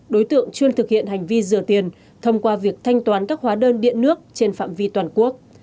đối tượng chuyên thực hiện hành vi rửa tiền thông qua việc thanh toán các hóa đơn điện nước trên phạm vi toàn quốc